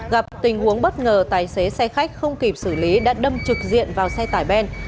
gặp tình huống bất ngờ tài xế xe khách không kịp xử lý đã đâm trực diện vào xe tải ben